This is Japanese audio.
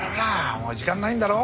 もう時間ないんだろう？